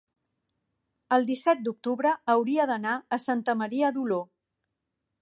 el disset d'octubre hauria d'anar a Santa Maria d'Oló.